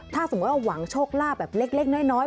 ถ้าสมมุติว่าหวังโชคลาภแบบเล็กน้อย